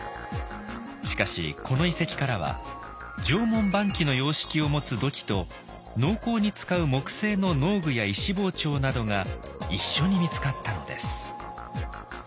しかしこの遺跡からは縄文晩期の様式を持つ土器と農耕に使う木製の農具や石包丁などが一緒に見つかったのです。